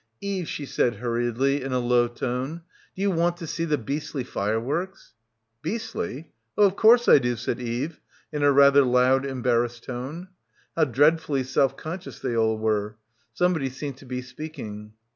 "Eve," she said hurriedly in a low tone, "d'you want to see the beastly fireworks?" "Beastly? Oh, of course, I do," said Eve in a rather loud embarrassed tone. How dreadfully self conscious they all were. Somebody seemed to be speaking.